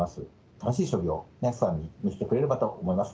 楽しい将棋を皆さんに見せてくれればと思います。